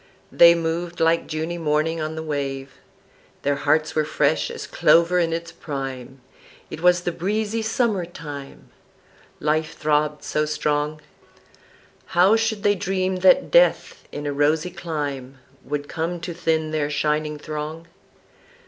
They moved like Juny morning on the wave, Their hearts were fresh as clover in its prime (It was the breezy summer time), Life throbbed so strong, How should they dream that Death in a rosy clime Would come to thin their shining throng?